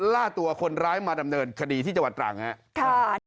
ล่าตัวคนร้ายมาดำเนินคดีที่จังหวัดตรังครับ